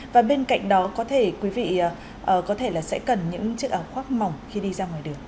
và bên cạnh đó quý vị có thể sẽ cần những chiếc áo khoác mỏng khi đi ra ngoài đường